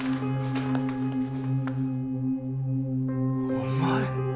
お前。